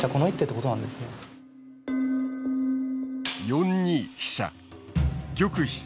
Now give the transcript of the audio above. ４二飛車。